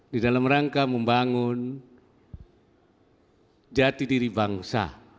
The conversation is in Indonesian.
di dalam rangka membangun jati diri bangsa